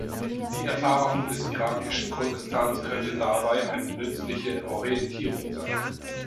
Die Erfahrung des irakischen Kurdistans könnte dabei eine nützliche Orientierung sein.